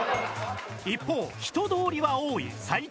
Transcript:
一方人通りは多い埼玉県。